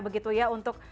begitu ya untuk